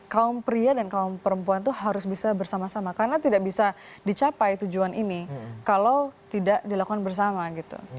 kaum pria dan kaum perempuan itu harus bisa bersama sama karena tidak bisa dicapai tujuan ini kalau tidak dilakukan bersama gitu